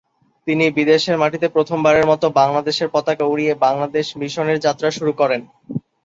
তিনি বিদেশের মাটিতে প্রথমবারের মতো বাংলাদেশের পতাকা উড়িয়ে বাংলাদেশ মিশনের যাত্রা শুরু করেন।